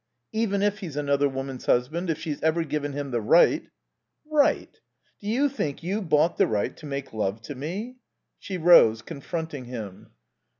"Even if he's another woman's husband, if she's ever given him the right " "Right? Do you think you bought the right to make love to me?" She rose, confronting him.